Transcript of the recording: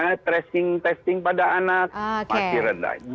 karena tracing testing pada anak masih rendah